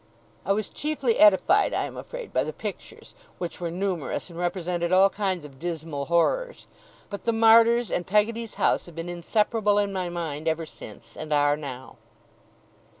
I was chiefly edified, I am afraid, by the pictures, which were numerous, and represented all kinds of dismal horrors; but the Martyrs and Peggotty's house have been inseparable in my mind ever since, and are now.